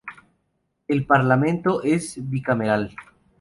El Parlamento es bicameral.